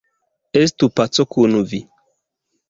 Estu paco kun vi!